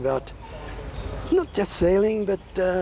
คือออสเตรดียะ